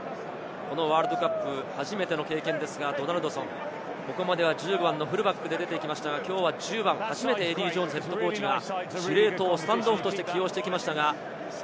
ワールドカップ初めての経験ですが、ドナルドソン、ここまでは１０番のフルバックで出ていましたが、きょうは１０番、初めてエディー・ジョーンズＨＣが司令塔、スタンドオフとして起用してきました。